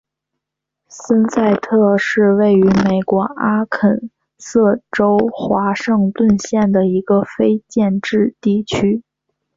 森塞特是位于美国阿肯色州华盛顿县的一个非建制地区。